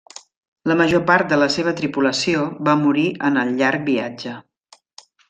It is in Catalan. La major part de la seva tripulació va morir en el llarg viatge.